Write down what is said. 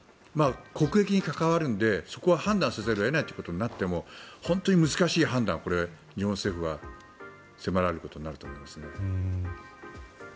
国益に関わるので、そこは判断せざるを得ないとなっても本当に難しい判断をこれ、日本政府は迫られることになると思いますね。